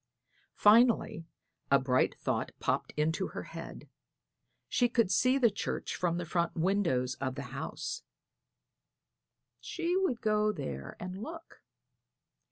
Finally a bright thought popped into her little head. She could see the church from the front windows of the house; she would go there and look.